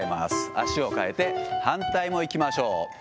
足をかえて反対もいきましょう。